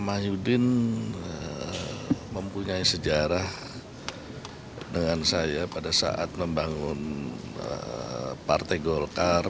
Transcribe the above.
ya karena pak yudin mempunyai sejarah dengan saya pada saat membangun partai golkar